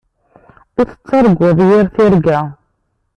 Ur tettarguḍ yir tirga.